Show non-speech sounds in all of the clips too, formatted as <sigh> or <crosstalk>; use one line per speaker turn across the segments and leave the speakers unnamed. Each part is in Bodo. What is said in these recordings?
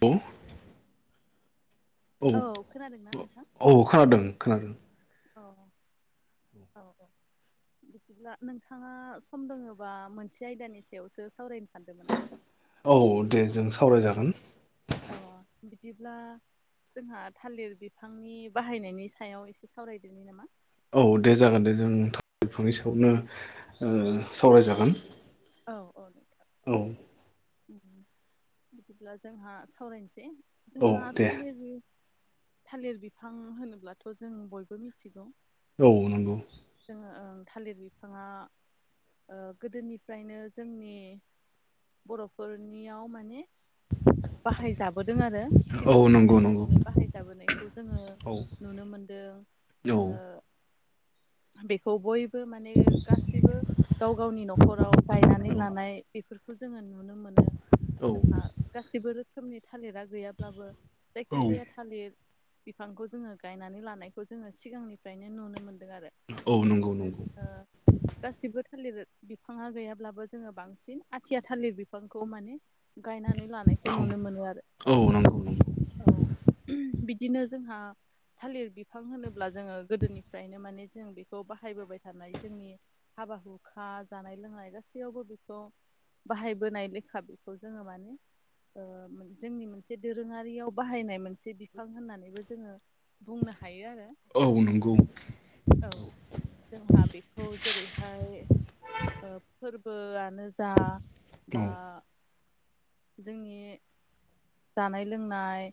औ औ औ खोनादों खोनादों
अ--औ औ। बिदिब्ला नोंथाङा सम दोङबा मोनसे आयदानि सायावसो सावरायनोसै
औ दे जों सावरायजागोन।
अ बिदिब्ला जोंहा थालिर बिफांनि बाहायनायनि सायाव एसे सावरायदोनि नामा?
औ दे जागोन दे जों नोंथां बिफांनि सायावनो सावरायजागोन।
औ औ नोंथां।
औ
बिदिब्ला जोंहा सावरायनोसै
औ
जोंहा
दे
थालिर थालिर बिफां होनोब्लाथ' जों बयबो मिथिगौ।
औ नंगौ।
जोङो ओ थालिर बिफाङा ओ गोदोनिफ्रायनो जोंनि बर'फोरनियाव माने बाहायजाबोदों आरो
औ नंगौ
सिगांनिफ्रायनो
नंगौ
माने बाहायजाबोनायखौ जोङो
औ
नुनो मोनदों।
औ
जोङो बेखौ बयबो माने गासिबो गाव गावनि न'खराव गायनानै
औ
लानाय बेफोर फोरखौ जोङो नुनो मोनो।
औ
जोंहा गासैबो रोखोमनि थालिरा गैयाब्लाबो जायखिजाया थालिर बिफांखौ जोङो गायनानै लानायखौ जोङो सिगांनिफ्रायनो नुनो मोनदों आरो।
औ नंगौ
बिदिनो
नंगौ
जोङो गासिबो थालिर बिफाङा गैयाब्लाबो जोङो बांसिन आथिया थालिर बिफांखौ माने गायनानै लानायखौ
औ
नुनो मोनो आरो,
औ नंगौ नंगौ
औ। <unintelligible> बिदिनो जोंहा थालिर बिफां होनोब्ला जोङो गोदोनिफ्रायनो माने जों बे खौ बाहायबोबाय थानाय जोंनि हाबा हुखा जानाय लोंनाय गासैयावबो बेखौ बाहायबोनाय लेखा, बेखौ जोङो माने ओ जोंनि मोनसे दोरोङारियाव बाहायनाय मोनसे बिफां होननानैबो जोङो बुंनो हायो आरो
औ नंगौ।
औ
<inaudible>
जोंहा बेखौ जेरैहाय ओ फोरबोआनो जा बा जोंनि जानाय लोंनाय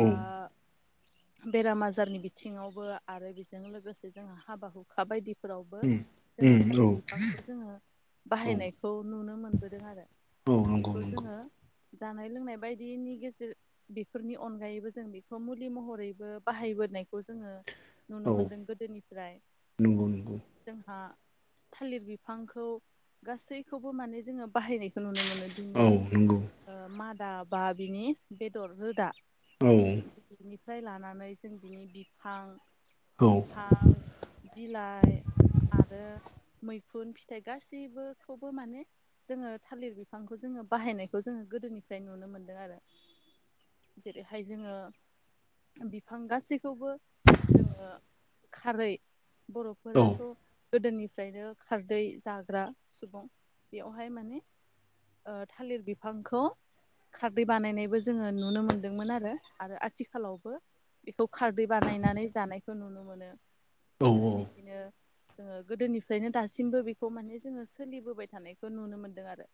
बा बेराम आजारनि बिथिङावबो आरो बेजों लोगोसे जोंहा हाबा हुखा बायदि फोरावबो जोङो
औ
थालिर बिफांखौ जोङो
औ
बाहायनायखौ नुनो मोनबोदों आरो।
औ नंगौ
बेखौ
नंगौ
जोङो जानाय लोंनाय बायदिनि गेजेर बेफोरनि अनगायैबो जों बेखौ मुलि महर रैबो बाहायबोनायखौ जोङो नुनो
औ
मोनदों गोदोनिफ्राय
नंगौ नंगौ
जोंहा थालिर बिफांखौ गासैखौबो माने जोङो बाहायनायखौ नुनो मो मोनो
औ
बिनि
नंगौ
ओ मादा बा बिनि बेदर रोदा
औ
बिनि बिनिफ्राय लानानै जों बिनि बिफां बिफां बिलाइ आरो मैखुन फिथाइ गासैबोखौबो माने जोङो थालिर बिफांखौ जोङो बाहायनायखौ जोङो गोदोनिफ्राय नुनो मोनदों आरो। जेरैहाय जोङो बिफां गासैखौबो जोङो खारै
औ
बर'फोराथ' गोदोनिफ्रायनो खारदै जाग्रा सुबुं बेयावहाय माने ओ थालिर बिफांखौ खारदै बानायनायबो जोङो नुनो मोनदोंमोन आरो। आरो आथिखाल खालावबो बेखौ खारदै बानायनानै जानायखौ नुनो मोनो।
औ
बिदिनो जोङो गोदोनिफ्रायनो दासिमबो बेखौ माने जोङो सोलिबोबाय थानायखौ नुनो मोनदों आरो।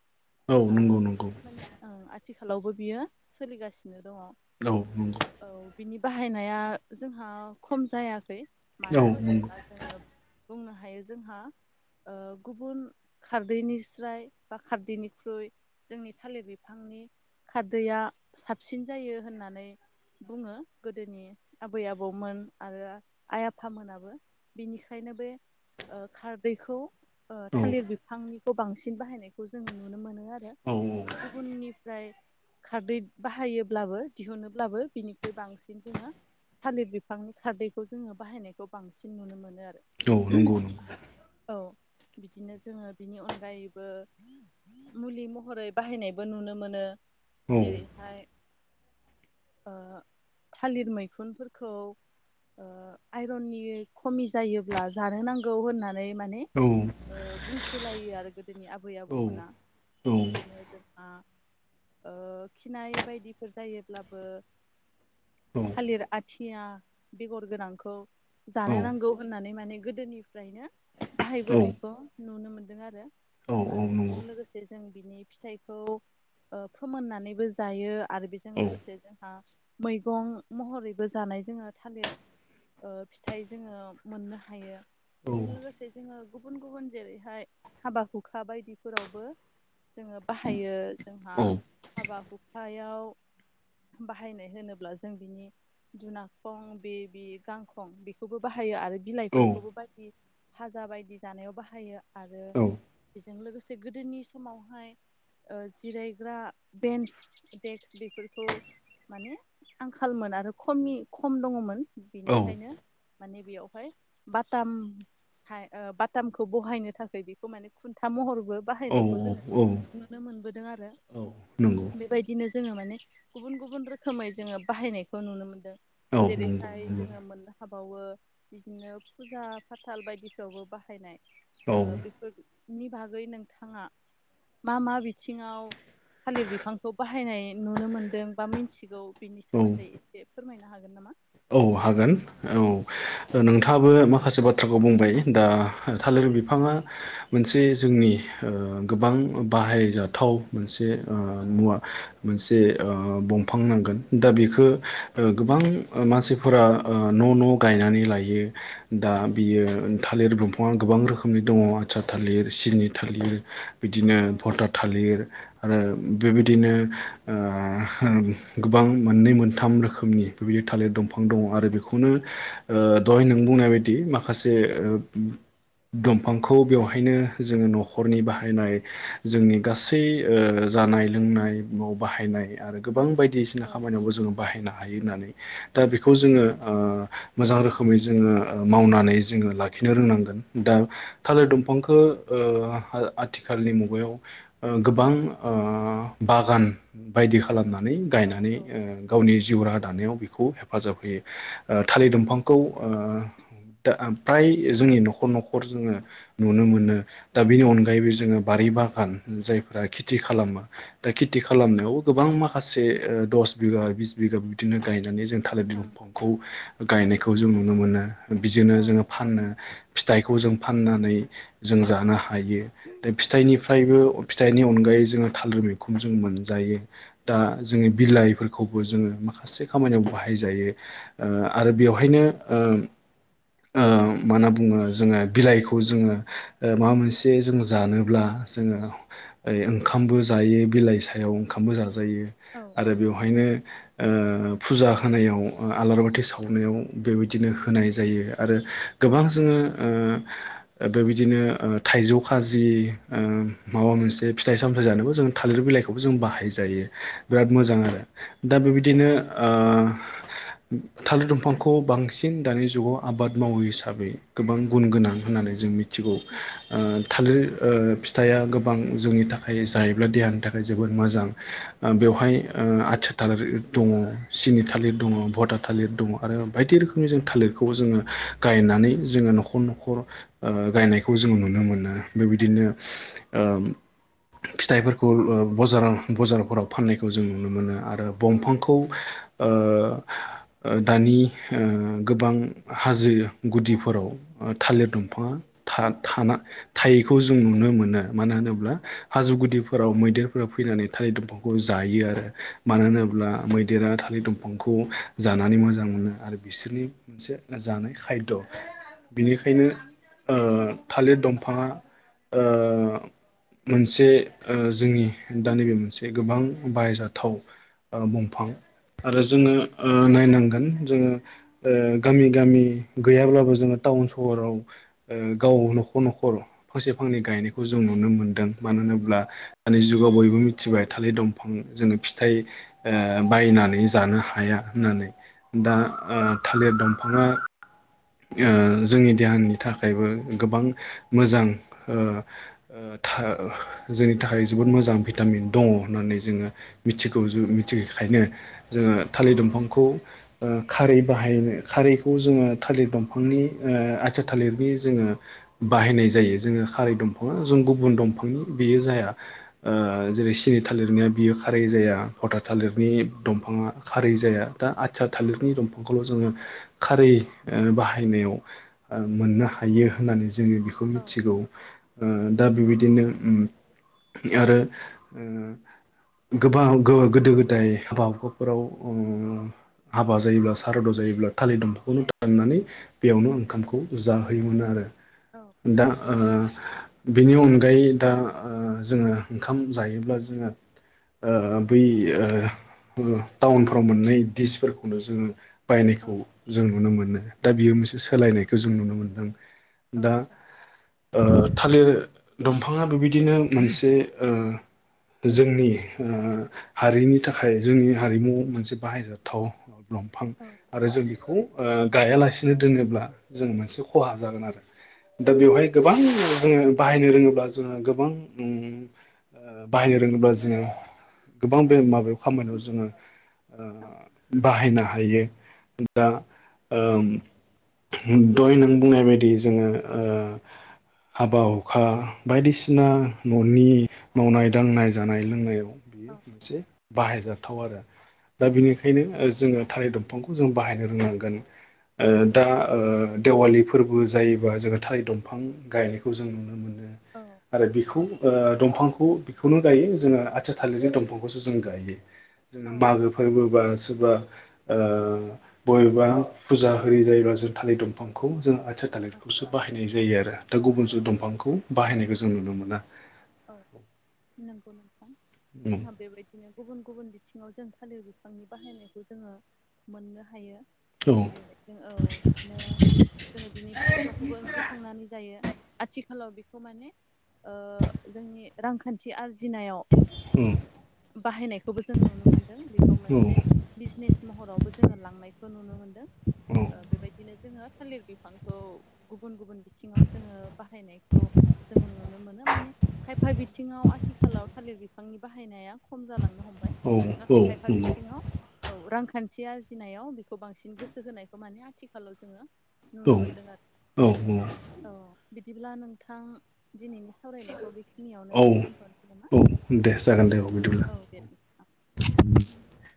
औ
ओ
नंगौ
बि
नंगौ
माने ओ आथिखालावबो बियो सोलिगासिनो दङ।
हेलौ नंगौ।
औ बिनि बाहायनाया जोंहा खम जाया खौ
औ
मानो
नंगौ
होनोब्ला जोंङो बुंनो हायो जोंहा ओ गुबुन खारदैनि स्राय बा खारदैनिख्रुइ जोंनि थालिर बिफांनि खारदैया साबसिन जायो होननानै बुंङो गोदोनि आबै आबौमोन आरो आइ आफामोनाबो बिनिखायनो बे ओ खारदैखौ ओ
औ
थालिर बिफांनिखौ बांसिन बाहायनायखौ जोंङो नुनो मोनो आरो
औ
गुबुननिफ्राय खारदै बाहायोब्लाबो दिहुनोब्लाबो बिनि बांसिन जोंङो थालिर बिफांनि खारदैखौ जोंङो बाहायनायखौ बांसिन नुनो मोनो आरो
औ नंगौ नंगौ
औ बिदिनो जोंङो बिनि अनगायैबो मुलि महरै बाहायनायबो नुनो मोनो।
औ
जेरैहाय ओ थालिर मैखुनफोरखौ ओ आइरननि खमि जायोब्ला जानो नांगौ होननानै होन्नानै माने‌
औ
ओ‌ बुंसो लायो आरो गोदोनि आबै
औ
आबौमोना
औ
बिदिनो जोंहा ओ खिनाय बायदिफोर जायोब्लाबो थालिर आथिया बेगर गोनांखौ
औ नंगौ औ
जानो नांगौ होननानै माने गोदोनिफ्रायनो बाहायबोनायखौ नुनो मोनदों आरो आरो बेजों लोगोसे जों बिनि फिथाइखौ फोमोननानैबो जायो आरो बेजों लोगोसे जोंहा मैगं महरैबो जानाय जोंङो थालिर ओ फिथाइ जोंङो मोननो हायो। बेजों लोगोसे जोंङो गुबुन-गुबुन जेरैहाय हाबा हुखा बायदिफोरावबो जोंङो बाहायो जोंहा हाबा हुखायाव बाहायनाय होनोब्ला जों बिनि दुनाखं बेबि गांखं बेखौबो बाहायो आरो बिलाइफोरखौबो बायदि फाजा बायदि जानायाव बाहायो आरो बेजों लोगोसे गोदोनि समावहाय ओ जिरायग्रा बेन्स देक्स बेफोरखौ माने आंखालमोन आरो खमि खम दंङमोन बेनिखायनो माने बेयावहाय बाथाम हाय ओ बाथामखौ बहायनो थाखाय बेखौ माने खुन्था था महरबो बाहायनायखौ जोंङो
औ औ
नुनो मोनबो नुदों आरो
नंगौ
बेबायदिनो‌ जोंङो माने गुबुन-गुबुन रोखोमै जोंङो बाहायनायखौ नुनो मोनदों
औ नंगौ
जेरैहाय
नंगौ
जोंङो मोननो हाबावो बिदिनो फुजा फाथाल बायदिफ्रावबो बाहायनाय
औ
ओ बेफोरनि बागै नोंथांङा मा-मा बिथिंङाव थालिर बिफांखौ बाहायनाय नुनो मोनदों बा मिथिगौ बिनि
औ
सोमोन्दै एसे फोरमायनो हागोन नामा?
औ हागोन औ नोंथांङाबो माखासे बाथ्राखौ बुंबाय दा थालिर बिफांङा मोनसे जोंनि ओ गोबां बाहायजाथाव मोनसे मुवा मोनसे जे ओ बंफां नांगोन दा बेखौ गोबां मानसिफोरा ओ न-न गायनानै लायो दा बियो थालिर बंफांङा गोबां रोखोमनि दंङ आथिया थालिर सिनि थालिर बिदिनो भटार थालिर आरो बेबायदिनो ओ गोबां मोननै मोनथाम रोखोमनि बेबायदि थालिर दंफां दंङ आरो बेखौनो ओ दहाय नों बुंनाय बायदि माखासे ओ दंफांखौ बेवहायनो जोंङो नखरनि बाहायनाय जोंनि गासै जानाय लोंनाय बाहायनाय आरो गोबां बायदिसिना खामानियावबो जोङो बाहायनो हायो होननानै दा बेखौ जोङो मोजां रोखोमै जोङो मावनानै जोङो लाखिनो रोंनांगोन। दा थालिर दंफांखौ ओ आथिखालनि मुगायाव गोबां बागान बायदि खालामना नै गायनानै गावनि जिउ राहा दानायाव खौ हेफाजाब होयो थालिर दंफांखौ ओ दा फ्राय जोंनि न'खर न'खर जोङो नुनो मोनो दा बेनि अनगायैबो जोङो बारि बागान जायफोरा खेथि खालामो दा खेथि खालामनायावबो गोबां माखासे औ दस बिघा बिस बिघाबो बिदिनो गाय मानि जों थालिर बिफांफांखौ गायनायखौ जों नुनो मोनो बिजोंनो जोङो फाननो फिथाइखौ जों फाननानै जों जानो हायो बे फिथाइ नि फ्रायबो फिथाइनि अनगायै जोङो थालिर मैखं जों मोनजायो दा जोङो बिलाइफोरखौ बो जोङो माखासे खामानियाव बाहायजायो आरो बेवहायनो मा होनना बुङो जोङो बिलाइखौ जोङो माबा मोनसे जों जानोब्ला जोङो ओ ओंखामबो जायो बिलाइ सायाव ओंखामबो जा आरो बेवहायनो ओ फुजा होनायाव आलारि बाथि सावनायाव बेबायदिनो होनाय जायो। आरो गोबां जोङो ओ
<inaudible>
बेबायदिनो थाइजौ खाजि माबा मोनसे फिथाइ सामथथाय जानोबो जों थालिर बिलाइ खौबो जों बाहाय जायो बिराद मोजां आरो, दा बेबायदिनो ओ
<inaudible>
थालिर दंफांखौ बांसिन दानि जुगाव आबाद मावो हिसाबै गोबां गुन गोनां होननानै होननानै जों मिथिगौ थालिर फिथाइया गोबां जोंनि थाखाय जायोब्ला देहानि थाखाय जोबोद मोजां बेवहाय आथिया थालारि दङ। सिनि थालिर दङ, भटा थालिर दङ आरो बायदि रोखोमनि जों थालिरखौ जोङो गायनानै जोङो न'खर न'खर गायनायखौ जोंङ नुनो मोनो बेबायदिनो ओ फिथाइफोरखौ ओ बजारराव बजारफोराव फाननायखौ जों नुनो मोनो आरो आरो दंफांखौ ओ दानि गोबां हाजो गुदिफोराव थालिर दंफाङा था-थाना-थायैखौ जों नुनो मोनो। मानो होनोब्ला हाजो गुदिफोराव मैदेरफोरा फैनानै थालिर दंफांखौ जायो आरो। मानो होनोब्ला मैदेरा फलि दंफांखौ जानानै मोजां मोनो आरो बिसोरनि मोनसे जानाय खायद'। बिनिखायनो थालिर दंफाङा मोनसे जोंनि दा नैबे मोनसे गोबां बायजाथाव बंफां आरो जोङो नायनांगोन जोङो गामि गामि गैयाब्लाबो जोङो टाउन सहराव गावनो न'खर न'खर फांसे फांनै गायनायखौ जों नुनो मोनदों मानो होनोब्ला दानि जुगाव बयबो मिथिबाय थालिर दंफां जोङो फिथाइ ओ बायनानै जानो हाया होननानै दा थालिर दंफाङा जोंनि देहानि थाखायबो गोबां मोजां जोंनि थाखाय जोबोद मोजां भिटामिन दङ होननानै जोङो मिथिगौ मिथि ओंखायनो जोङो थालिर दंफांखौ खारै बाहायनो खारैखौ जोङो थालिर दंफांनि आथिाया थालिरनि जोङो बाहायनाय जायो जोङो खारै दंफाङा जों गुबुन दंफांनि बियो जाया जेरै सिनि थालिरनिया बियो खारै जाया भथा थालिरनि दंफांआ खारै जाया दा आार थालिरनि दंफांखौल' जोङो खारै बाहायनाय मोननो हायो होननानै जोङो बेखौ मिथिगौ दा बेबायदिनो। आरो गोबां गोदो गोदाय हाबा। नफोराव हाबा जायोब्ला सारद' जायोब्ला थालिर दंफांखौनो दाननानै बेयावनो ओंखामखौ जाहोयोमोन आरो दा ओ बेनि अनगायै दा जोङो ओंखाम जायोब्ला जोङो ओ बै ओ। टाउनफ्राव मोननाय डिसफोरखौनो जोङो बायनायखौ जों नुनो मोनो। दा बियो मोनसे सोलायनायखौ जों नुनो मोनदों दा। थालिर दंफाङा बेबायदिनो मोनसे‌ ओ जोंनि ओ हारिनि थाखाय जोंनि हारिमु मोनसे बाहायजाथाव दंफां आरो जों बेखौ ओ गायालासिनो दोनोब्ला जों मोनसे खहा जागोन आरो। दा बेवहाय गोबां जोङो बाहायनो रोङोब्ला जोङो गोबां उम ओ बाहायनो रोङोब्ला जोङो गोबां बे माबायाव खामानियाव जोङो बाहायनो हायो दा ओम दय नों बुंनाय बायदि जोङो ओ हाबा हुखा बायदिसिना न'नि मावनाय दांनाय जानाय लोंनायाव। बेयो मोनसे बाहायजाथाव आरो दा बेनिखायनो जोङो थालिर दंफां। दंफांखौ जों बाहायनो रोंनांगोन। दा देवालि फोरबो जायोबा जों थालिर दंफां गायनायखौ जों नुनो मोनो। आरो बेखौ दंफांखौ बेखौनो गायो जोङो आथिया‌ थालिरनि दंफांखौसो जों। जों गायो जोंओ मागो फोरबोबास- सोरबा ओ बबेबा फुजा होयो जायोब्लाा जों थालिर दंफांखौ जों ‌आ थालिरखौसो बाहायनाय जायो आरो दा गुबुनजों दंफांखौ बाहायनायखौ जों नुनो मोना।
औ नंगौ नोंथां जोंहा बेबायदिनो गुबुन गुबुन बिथिङाव जों थालिर बिफांनि बाहायनायखौ जोङो मोननो हायो।
औ
जेरैहायजों औ बिदिनो। जोङो बिनि फस्लाखौबो ओंख्रि संनानै जायो आथिखालाव बेखौ माने ओ जोंनि रांखान्थि आरजि जिनायाव बाहायनायखौबो जों नुनो मोनदों बेखौ मोनसे बिजनेस महरावबो जोङो लांनायखौ नुनो मोनदों ओ बेबायदिनो जोङो थालिर बिफांखौ गुबुन गुबुन बिथिङाव जोङो बाहायनायखौ जोङो नुनो मोनो माने। खायफा बिथिङाव आथिखालाव थालिर बिफांनि बाहायनाया खम जालांनो हमबाय।
औ औ
नाथाय खायफा
नंगौ औ
बिथिङाव औ रांखान्थि। आरजिनायाव बेखौ बांसिन गोसो होनायखौ माने आथिखालाव जोङो। नुनो
दं
मोनदों आरो
औ औ।
बिदिब्ला नोंथां दिनैनि सावरायनायखौ। बेखिनियावनो
औ औ
दोनथ'सै नामा दे औ दे नोंथां। <inaudible>